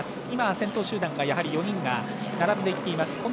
今、先頭集団４人が並んでいっています。